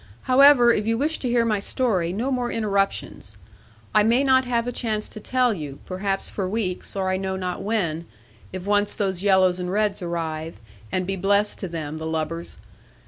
However, if you wish to hear my story, no more interruptions. I may not have a chance to tell you, perhaps for weeks, or I know not when, if once those yellows and reds arrive, and be blessed to them, the lubbers!